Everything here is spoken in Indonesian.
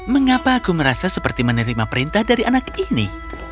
mengapa aku merasa seperti menerima perintah dari anak ini